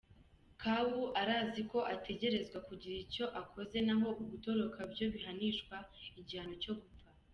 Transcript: Kawu arazi ko ategerezwa kugira ico akoze - n'aho ugutoroka vyohanishwa igihano co gupfa.